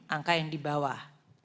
angka yang di bawah